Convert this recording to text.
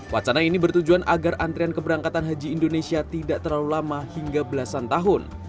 wacana ini bertujuan agar antrian keberangkatan haji indonesia tidak terlalu lama hingga belasan tahun